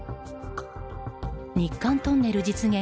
日韓トンネル実現